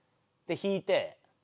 で引いて。